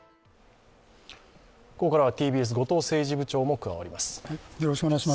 ここからはＴＢＳ・後藤政治部長も加わります。